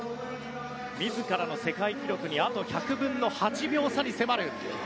自らの世界記録にあと１００分の８秒差に迫る。